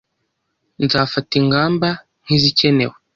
Nzafata ingamba nkizikenewe.